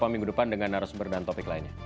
mas romi mudah mudahan menyaksikan ini